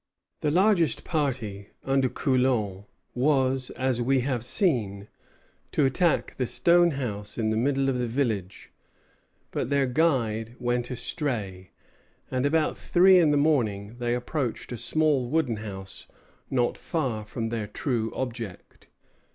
The largest party, under Coulon, was, as we have seen, to attack the stone house in the middle of the village; but their guide went astray, and about three in the morning they approached a small wooden house not far from their true object.